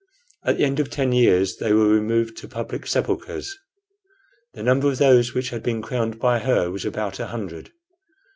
At the end of ten years they were removed to public sepulchres. The number of those which had to be crowned by her was about a hundred.